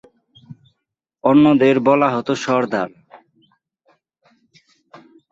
অন্যদের বলা হত সর্দার।